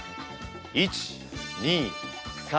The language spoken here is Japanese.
１２３